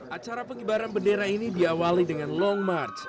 acara pengibaran bendera ini diawali dengan long march